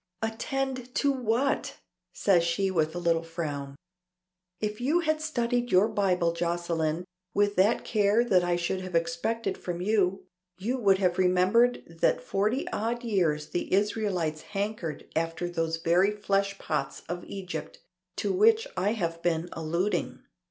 "Attend to what?" says she with a little frown. "If you had studied your Bible, Jocelyne, with that care that I should have expected from you, you would have remembered that forty odd years the Israelites hankered after those very fleshpots of Egypt to which I have been alluding.